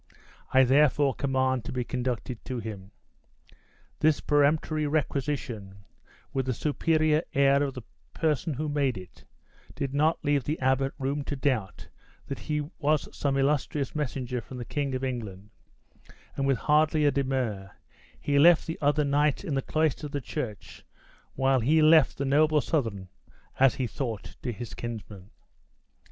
I therefore command to be conducted to him." This peremptory requisition, with the superior air of the person who made it, did not leave the abbot room to doubt that he was some illustrious messenger from the King of England, and with hardly a demur, he left the other knights in the cloisters of the church while he led the noble Southron (as he thought) to his kinsman.